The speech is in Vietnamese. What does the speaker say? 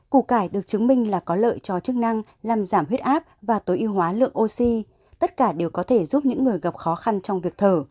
củ cải được chứng minh là có lợi cho chức năng làm giảm huyết áp và tối ưu hóa lượng oxy tất cả đều có thể giúp những người gặp khó khăn trong việc thở